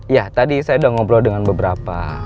ya tadi saya sudah ngobrol dengan beberapa